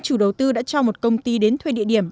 chủ đầu tư đã cho một công ty đến thuê địa điểm